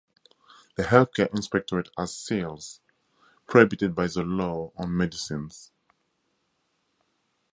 The Healthcare Inspectorate has sales prohibited by the Law on Medicines.